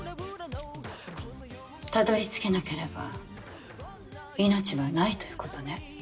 たどり着けなければ命はないということね。